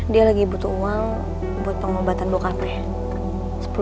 dia lagi butuh uang buat pengobatan bokape